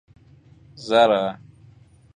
زرع